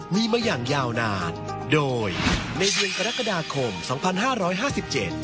มีมาอย่างยาวนานโดยในเดือนกรกฎาคมสองพันห้าร้อยห้าสิบเจ็ด